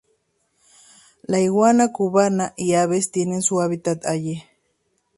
La iguana cubana y aves tienen su hábitat allí.